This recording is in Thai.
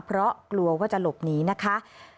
เพราะกลัวว่าจะหลบหนีนะคะ